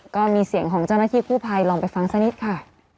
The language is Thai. ก็มีเสียงของเจ้าหน้าที่กู้ภัยลองไปฟังสักนิดค่ะ